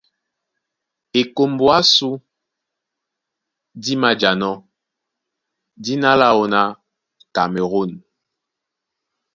Ekombo ásū dí mājanɔ́ dína láō ná Kamerû.